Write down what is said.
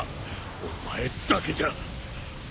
お前だけじゃ。